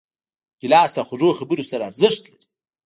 ګیلاس له خوږو خبرو سره ارزښت لري.